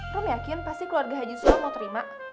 rom yakin pasti keluarga haji sulam mau terima